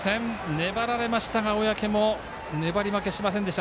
粘られましたが、小宅も粘り負けしませんでした。